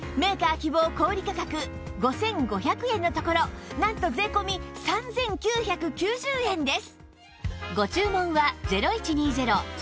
希望小売価格５５００円のところなんと税込３９９０円です！